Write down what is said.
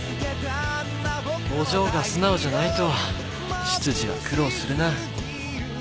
お嬢が素直じゃないと執事は苦労するな。